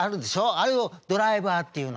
あれをドライバーっていうの」。